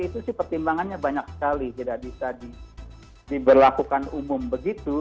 itu sih pertimbangannya banyak sekali tidak bisa diberlakukan umum begitu